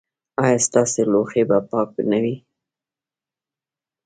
ایا ستاسو لوښي به پاک نه وي؟